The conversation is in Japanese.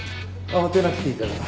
慌てなくていいからね。